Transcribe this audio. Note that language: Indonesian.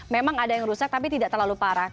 memang ada yang rusak tapi tidak terlalu parah